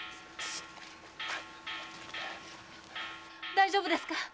大丈夫ですか？